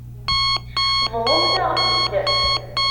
Bḍumt-aɣ-t-id.